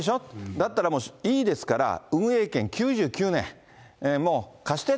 だったらもう、いいですから、運営権、９９年、もう貸して。